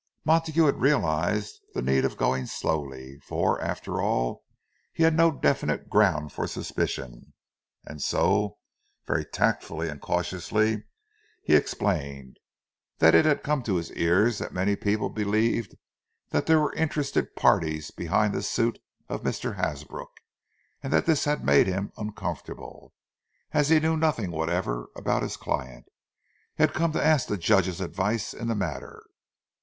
Montague had realized the need of going slowly, for, after all, he had no definite ground for suspicion; and so, very tactfully and cautiously he explained, that it had come to his ears that many people believed there were interested parties behind the suit of Mr. Hasbrook; and that this had made him uncomfortable, as he knew nothing whatever about his client. He had come to ask the Judge's advice in the matter.